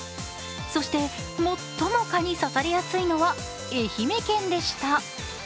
そして最も蚊に刺されやすいのは愛媛県でした。